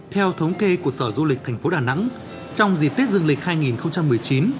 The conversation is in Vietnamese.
theo thống kê của sở du lịch thành phố đà nẵng trong dịp tết dương lịch hai nghìn một mươi chín